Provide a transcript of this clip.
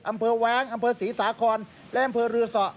แว้งอำเภอศรีสาครและอำเภอรือสอ